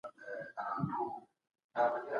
لابراتوار وینه د خوندي کار لپاره ازمویل کېږي.